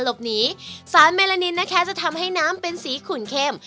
หลบหนีสารแมลานินน้ำจะทำให้น้ำเป็นสีขุ่นเข้ม